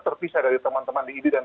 terpisah dari teman teman di idi dan